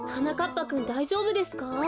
ぱくんだいじょうぶですか？